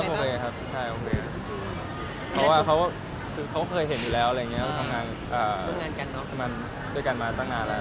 โอเคครับโอเคครับเขาเคยเห็นอยู่แล้วทำงานด้วยกันมาตั้งนานแล้ว